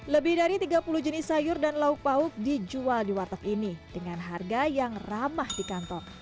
lebih dari tiga puluh jenis sayur dan lauk pauk dijual di warteg ini dengan harga yang ramah di kantor